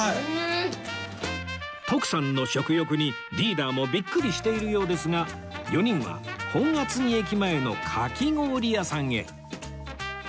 徳さんの食欲にリーダーもビックリしているようですが４人は本厚木駅前のかき氷屋さんへ